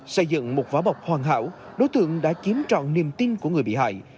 xây dựng một vỏ bọc hoàn hảo đối tượng đã chiếm trọn niềm tin của người bị hại